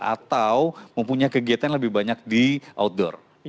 atau mempunyai kegiatan yang lebih banyak di luar ruangan